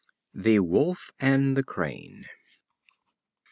The Wolf and the Crane.